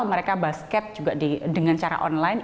mereka basket juga dengan cara online